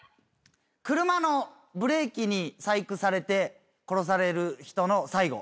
車のブレーキに細工されて殺される人の最期。